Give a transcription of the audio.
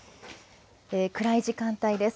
暗い時間帯です。